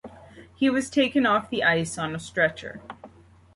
He was taken off the ice on a stretcher.